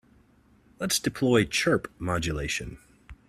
Let's deploy chirp modulation.